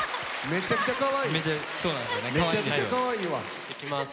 めちゃくちゃかわいいわ。いきます！